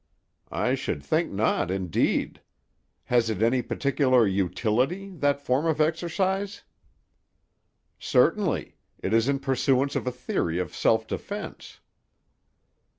"I should think not, indeed! Has it any particular utility, that form of exercise?" "Certainly. It is in pursuance of a theory of self defense."